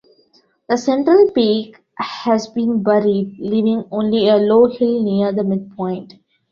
The central peak has been buried, leaving only a low hill near the midpoint.